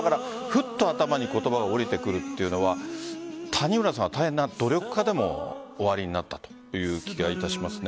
頭に言葉が降りてくるというのは谷村さんは大変な努力家でおありになったという気がいたします。